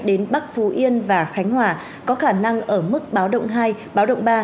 đến bắc phú yên và khánh hòa có khả năng ở mức báo động hai báo động ba